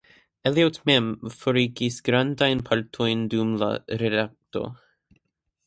Eliot mem forigis grandajn partojn dum la redakto.